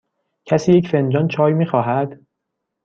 کسی یک فنجان چای می خواهد؟